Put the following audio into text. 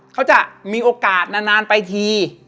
เขาจะมีโอกาสนานไปที